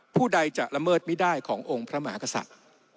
ผู้ใดจะละเมิดไม่ได้ขององค์พระมหากษัตริย์